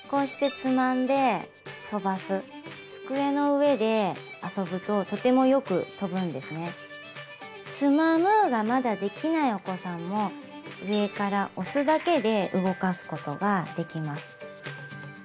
つまむがまだできないお子さんも上から押すだけで動かすことができます。